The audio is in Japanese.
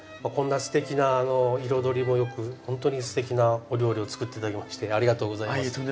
こんなすてきな彩りもよくほんとにすてきなお料理を作って頂きましてありがとうございます。